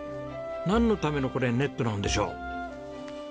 なんのためのこれネットなんでしょう？